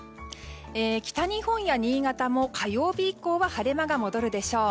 北日本や新潟も火曜日以降は晴れ間が戻るでしょう。